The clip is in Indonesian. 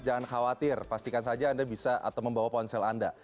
jangan khawatir pastikan saja anda bisa atau membawa ponsel anda